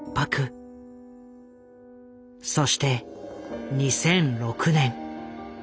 そして２００６年。